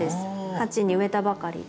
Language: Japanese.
鉢に植えたばかりで。